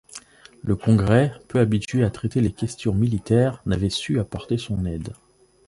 Le Congrès, peu habitué à traiter les questions militaires, n'avait su apporter son aide.